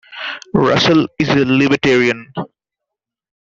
Russell is a Libertarian.